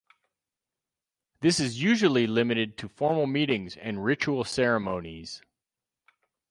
This is usually limited to formal meetings and ritual ceremonies.